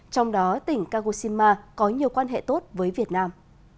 trong đó tỉnh kagoshima có nhiều quan hệ tốt với việt nam